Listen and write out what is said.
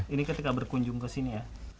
ini ketika berkunjung ke sini ya